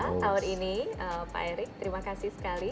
awal ini pak erik terima kasih sekali